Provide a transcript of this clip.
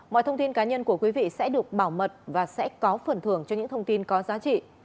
mọi thông tin cá nhân của quý vị sẽ được bảo mật và sẽ có phần thưởng cho những thông tin có giá trị